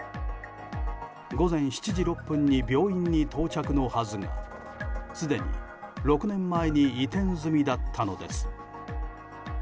午前７時６分に病院に到着のはずがすでに６年前に移転済みだったのです。